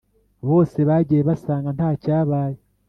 Bose bagiye basanga ntacyabaye